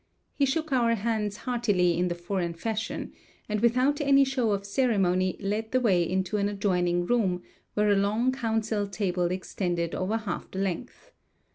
He shook our hands heartily in the foreign fashion, and without any show of ceremony led the way into an adjoining room, where a long council table extended over half the length.